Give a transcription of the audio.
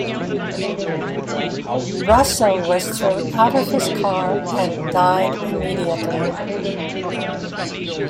Russo was thrown out of his car and died immediately.